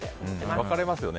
分かれますよね。